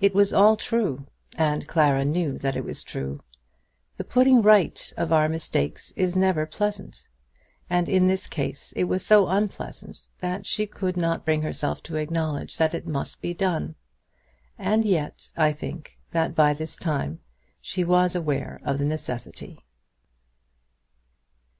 It was all true, and Clara knew that it was true. The putting right of mistakes is never pleasant; and in this case it was so unpleasant that she could not bring herself to acknowledge that it must be done. And yet, I think, that by this time she was aware of the necessity.